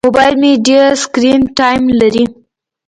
موبایل مې ډېر سکرین ټایم لري.